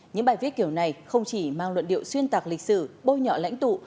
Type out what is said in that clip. những bài viết kiểu này không chỉ mang luận điệu xuyên tạc lịch sử bôi nhọ lãnh tụ